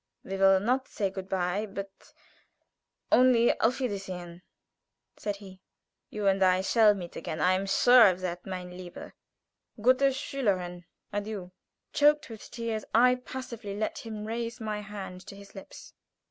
"We will not say good bye, but only auf wiedersehen!" said he. "You and I shall meet again. I am sure of that. Meine liebe, gute Schülerin, adieu!" Choked with tears, I passively let him raise my hand to his lips.